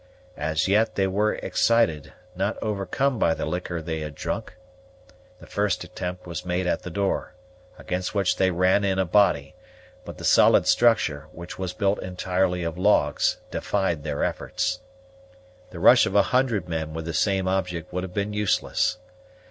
As yet they were excited, not overcome by the liquor they had drunk. The first attempt was made at the door, against which they ran in a body; but the solid structure, which was built entirely of logs, defied their efforts. The rush of a hundred men with the same object would have been useless.